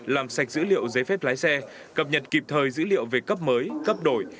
làm sạch dữ liệu giấy phép lái xe cập nhật kịp thời dữ liệu về cấp mới cấp đổi